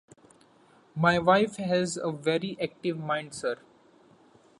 My wife has a very active mind, sir.